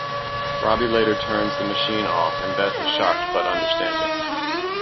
Robbie later turns the machine off and Beth is shocked but understanding.